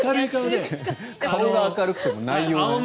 顔は明るくても内容が。